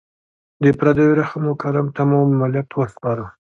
د پردیو رحم و کرم ته مو ملت وسپاره.